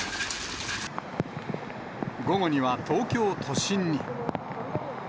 午後には東京都心に。